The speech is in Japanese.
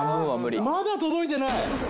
まだ届いてない？